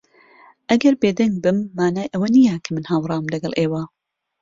ئەگەر بێدەنگ بم، مانای ئەوە نییە کە من ھاوڕام لەگەڵ ئێوە.